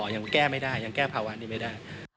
ยังแก้ไม่ได้ยังแก้ภาวะนี้ไม่ได้